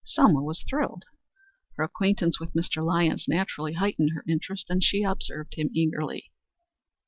Selma was thrilled. Her acquaintance with Mr. Lyons naturally heightened her interest, and she observed him eagerly.